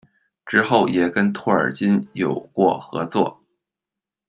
之后也跟托尔金有过合作。